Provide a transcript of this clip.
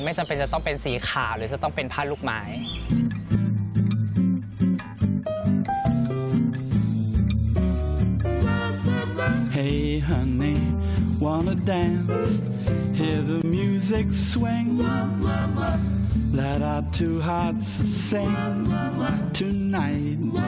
จำเป็นจะต้องเป็นสีขาวหรือจะต้องเป็นผ้าลูกไม้